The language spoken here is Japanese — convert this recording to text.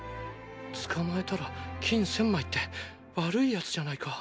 捕まえたら金１０００枚って悪い奴じゃないか。